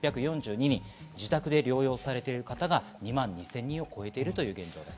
自宅で療養されてる方が２万２０００人を超えています。